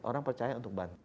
orang percaya untuk bantu